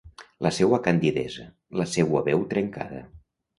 La seua candidesa, la seua veu trencada.